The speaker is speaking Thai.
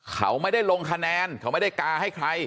เขาไม่ได้ลงคะแนนเขาไม่ได้กาให้ใคร